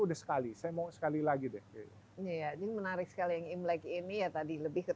udah sekali saya mau sekali lagi deh ya ini menarik sekali yang imlek ini ya tadi lebih ke